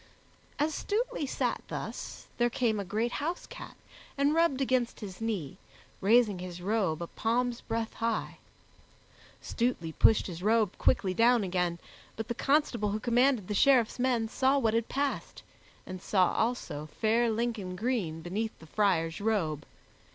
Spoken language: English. As Stutely sat thus, there came a great house cat and rubbed against his knee, raising his robe a palm's breadth high. Stutely pushed his robe quickly down again, but the constable who commanded the Sheriffs men saw what had passed, and saw also fair Lincoln green beneath the friar's robe.